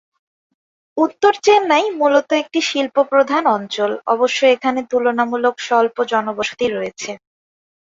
উত্তর চেন্নাই মূলত একটি শিল্প প্রধান অঞ্চল, অবশ্য এখানে তুলনামূলক স্বল্প জনবসতি রয়েছে।